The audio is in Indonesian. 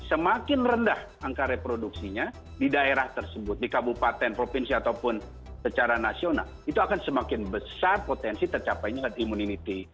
semakin rendah angka reproduksinya di daerah tersebut di kabupaten provinsi ataupun secara nasional itu akan semakin besar potensi tercapainya herd immunity